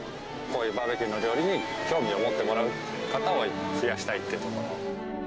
こういうバーベキューの料理に興味を持ってもらう方を増やしたいというところ。